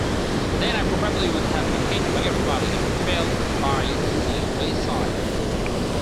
Then I probably would have been hated by everybody and fell by the wayside.